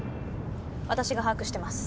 私が把握してます